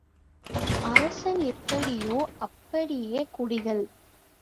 அரசன் எப்படியோ அப்படியே குடிகள்.